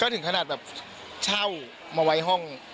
ถึงขนาดหใจเช่ามาวัยห้อง